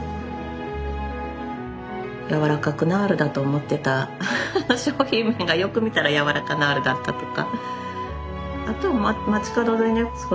ヤワラカクナールだと思ってた商品名がよく見たらヤワラカナールだったとか。